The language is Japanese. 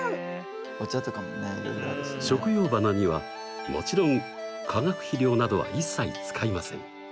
食用花にはもちろん化学肥料などは一切使いません。